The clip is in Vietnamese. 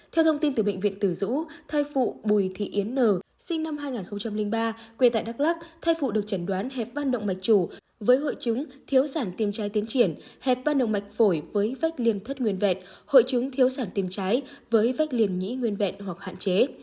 theo thông tin từ bệnh viện từ dũ thai phụ bùi thị yến n sinh năm hai nghìn ba quê tại đắk lắc thai phụ được chẩn đoán hẹp van động mạch chủ với hội chứng thiếu sản tiêm trái tiến triển hẹp van động mạch phổi với vách liền thất nguyên vẹn hội chứng thiếu sản tiêm trái với vách liền nhĩ nguyên vẹn hoặc hạn chế